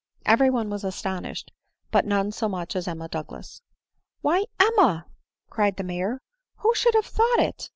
Every one was astonished; but none so much as Emma Douglas. " Why, Emma !" cried the Major, " who should have thought it